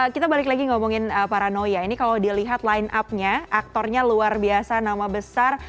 kita balik lagi ngomongin paranoia ini kalau dilihat line up nya aktornya luar biasa nama besar